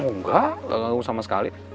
enggak gak ganggu sama sekali